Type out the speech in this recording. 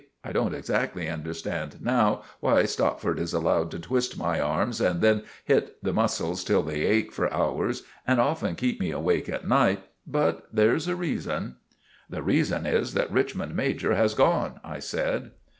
I don't exactly understand now why Stopford is allowed to twist my arms and then hit the muscles till they ache for hours and often keep me awake at night; but there's a reason." "The reason is that Richmond major has gone," I said.